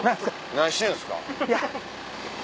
何してるんですか？